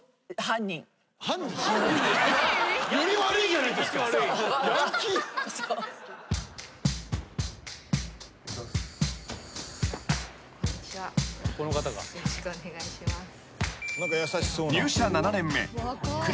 よろしくお願いします。